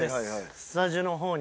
スタジオの方に。